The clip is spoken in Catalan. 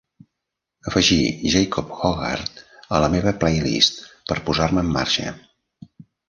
afegir Jacob Hoggard a la meva playlist per posar-me en marxa